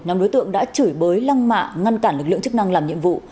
nhóm đối tượng đã chửi bới lăng mạ ngăn cản lực lượng chức năng làm nhiệm vụ